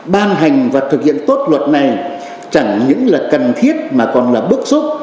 ban hành và thực hiện tốt luật này chẳng những là cần thiết mà còn là bức xúc